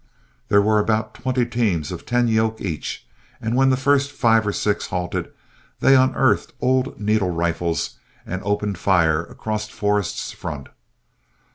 There were about twenty teams of ten yoke each, and when the first five or six halted, they unearthed old needle rifles and opened fire across Forrest's front.